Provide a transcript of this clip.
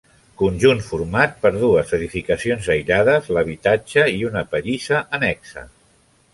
Conjunt format per dues edificacions aïllades, l'habitatge i una pallissa annexa.